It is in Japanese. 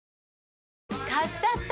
買っちゃった！